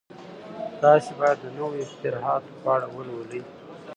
تاسي باید د نویو اختراعاتو په اړه ولولئ.